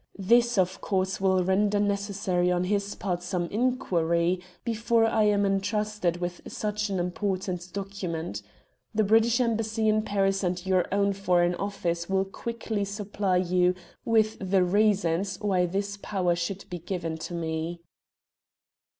This, of course, will render necessary on his part some inquiry before I am entrusted with such an important document. The British Embassy in Paris and your own Foreign Office will quickly supply you with the reasons why this power should be given to me."